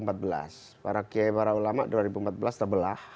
lalu pilpres dua ribu empat belas para gii para ulama dua ribu empat belas terbelah